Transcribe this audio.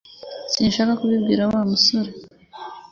Sinshaka kubibwira Wa musore